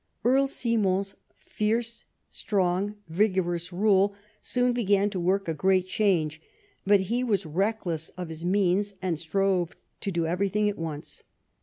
Earl Simon's strong, fierce, vigorous rule soon began to work a great change ; but he was reckless of his means and strove to do everything at once.